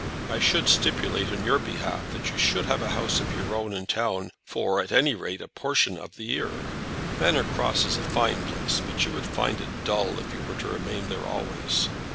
I should stipulate on your behalf that you should have a house of your own in town, for, at any rate, a portion of the year. Manor Cross is a fine place, but you would find it dull if you were to remain there always.